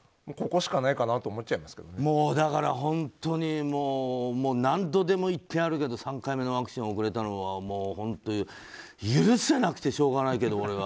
ここしかないかなとだから本当に何度でも言ってやるけど３回目のワクチンが遅れたのは本当に俺は許せなくてしょうがないけど。